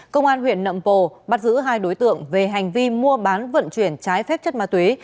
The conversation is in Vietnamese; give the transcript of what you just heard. công an huyện nậm bồ bắt giữ hai đối tượng về hành vi mua bán vận chuyển trái phép chất ma túy